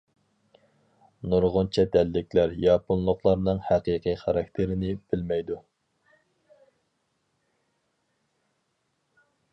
نۇرغۇن چەت ئەللىكلەر ياپونلۇقلارنىڭ ھەقىقىي خاراكتېرىنى بىلمەيدۇ.